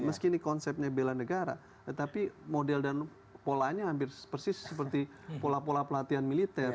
meski ini konsepnya bela negara tetapi model dan polanya hampir persis seperti pola pola pelatihan militer